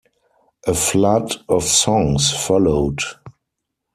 A flood of songs followed.